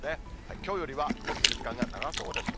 きょうよりは曇ってる時間が長そうです。